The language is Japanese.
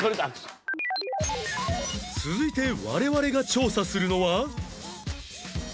続いて我々が調査するのは